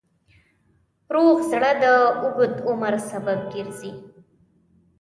روغ زړه د اوږد عمر سبب ګرځي.